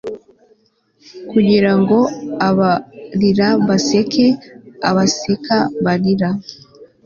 Kugira ngo abarira baseke abaseka barira